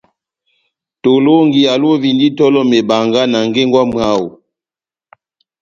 Tolɔngi alovindi itɔlɔ mebanga na ngengo ya mwáho.